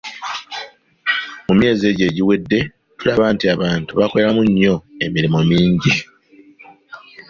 Mu myezi egyo egiwedde tulaba nti abantu bakoleramu nnyo emirimu mingi.